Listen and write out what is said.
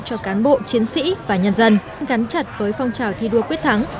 cho cán bộ chiến sĩ và nhân dân gắn chặt với phong trào thi đua quyết thắng